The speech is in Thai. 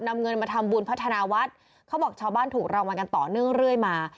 นำเงินมาทำบุญพัฒนาวัดเขาบอกชาวบ้านถูกรางวัลกันต่อเนื่องเรื่อยมา